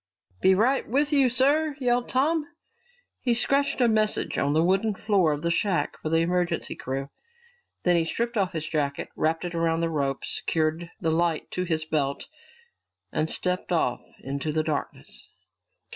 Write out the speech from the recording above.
"Be right with you, sir!" yelled Tom. He scratched a message on the wooden floor of the shack for the emergency crew. Then he stripped off his jacket, wrapped it around the rope, secured the light to his belt, and stepped off into the darkness.